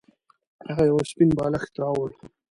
هغه یو سپین بالښت راوړ.